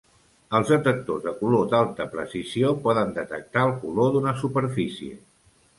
Els detectors de color d'alta precisió poden detectar el color d'una superfície.